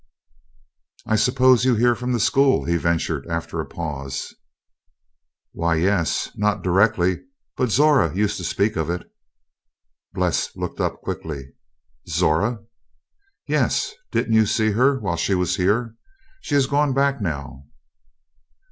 "I suppose you hear from the school?" he ventured after a pause. "Why, yes not directly but Zora used to speak of it." Bles looked up quickly. "Zora?" "Yes. Didn't you see her while she was here? She has gone back now."